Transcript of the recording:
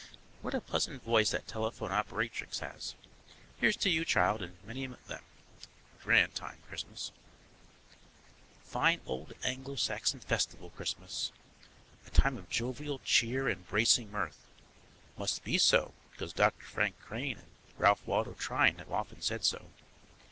What a pleasant voice that telephone operatrix has. Here's to you, child, and many of them. Grand time, Christmas. Fine old Anglo Saxon festival, Christmas. A time of jovial cheer and bracing mirth. Must be so, because Doctor Frank Crane and Ralph Waldo Trine have often said so.